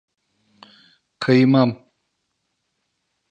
Kıymam.